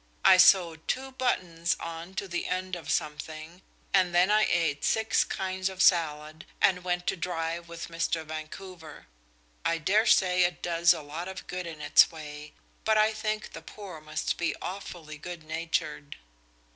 I sewed two buttons on to the end of something, and then I ate six kinds of salad, and went to drive with Mr. Vancouver. I dare say it does a lot of good in its way, but I think the poor must be awfully good natured.